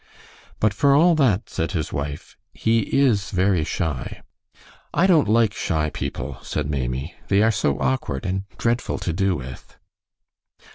"But for all that," said his wife, "he is very shy." "I don't like shy people," said Maimie; "they are so awkward and dreadful to do with."